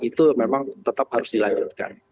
itu memang tetap harus dilanjutkan